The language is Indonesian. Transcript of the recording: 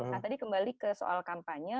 nah tadi kembali ke soal kampanye